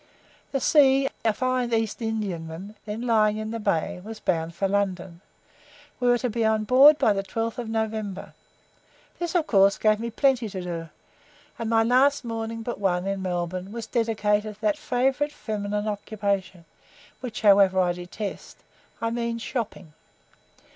The 'C ,' a fine East Indiaman, then lying in the bay, was bound for London. We were to be on board by the 12th of November. This of course gave me plenty to do, and my last morning but one in Melbourne was dedicated to that favourite feminine occupation which, however, I detest I mean, shopping.